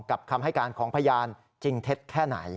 คำให้การของพยานจริงเท็จแค่ไหน